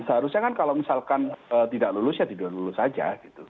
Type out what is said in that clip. seharusnya kan kalau misalkan tidak lulus ya tidur lulus saja gitu